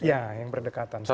ya yang berdekatan